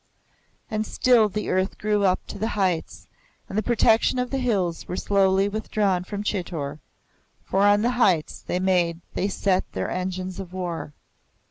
And still the earth grew up to the heights, and the protection of the hills was slowly withdrawn from Chitor, for on the heights they made they set their engines of war.